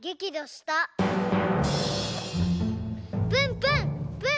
プンプン！